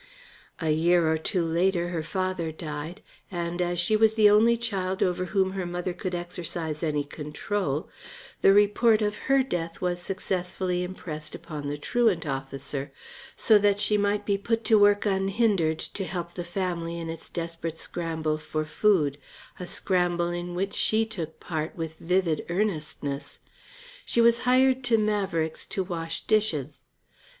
A year or two later her father died, and as she was the only child over whom her mother could exercise any control, the report of her death was successfully impressed upon the truant officer, so that she might be put to work unhindered to help the family in its desperate scramble for food, a scramble in which she took part with vivid earnestness. She was hired to Maverick's to wash dishes.